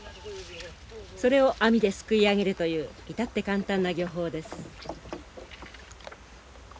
それを網ですくい上げるという至って簡単な漁法です。